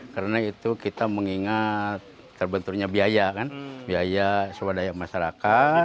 karena itu kita mengingat terbenturnya biaya kan biaya swadaya masyarakat